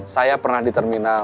saya pernah di terminal